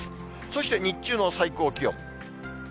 そして日中の最高気温。